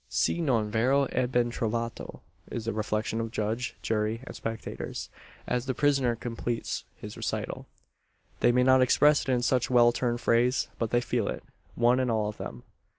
"Si non vero e ben trovato," is the reflection of judge, jury, and spectators, as the prisoner completes his recital. They may not express it in such well turned phrase; but they feel it one and all of them.